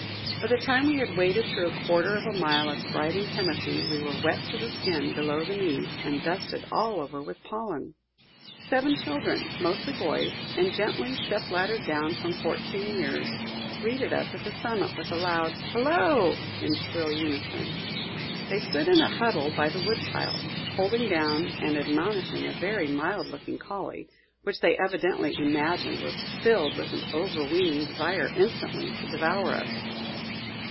By the time we had waded through a quarter of a mile of thriving timothy we were wet to the skin below the knees and dusted all over with pollen. Seven children, mostly boys, and gently step laddered down from fourteen years, greeted us at the summit with a loud "Hello!" in shrill unison. They stood in a huddle by the woodpile, holding down and admonishing a very mild looking collie, which they evidently imagined was filled with an overweening desire instantly to devour us.